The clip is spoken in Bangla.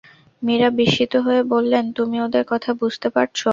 মীরা বিস্মিত হয়ে বললেন, তুমি ওদের কথা বুঝতে পারছ?